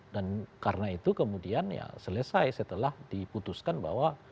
dan karena itu kemudian ya selesai setelah diputuskan bahwa